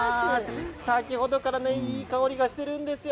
先ほどからいい香りがしているんですよ。